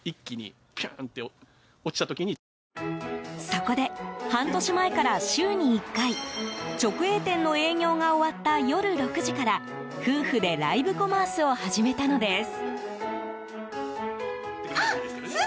そこで、半年前から週に１回直営店の営業が終わった夜６時から夫婦でライブコマースを始めたのです。